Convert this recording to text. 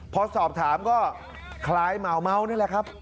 พอสอบถามก็คล้ายเมานั่นแหละครับ